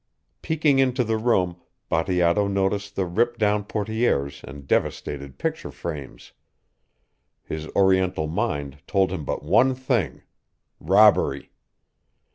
Peeking into the room Bateato noted the ripped down portières and devastated picture frames. His Oriental mind told him but one thing robbery.